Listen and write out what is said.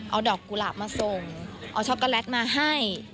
เอาดอกกุหลาบมาส่งเอาช็อกโกแลตมาให้